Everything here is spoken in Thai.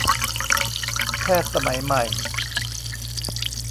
แพทย์สมัยใหม่